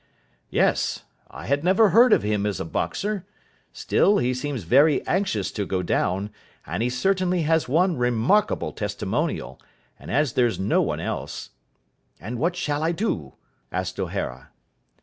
"Yes. I had never heard of him as a boxer. Still, he seems very anxious to go down, and he certainly has one remarkable testimonial, and as there's no one else " "And what shall I do?" asked O'Hara.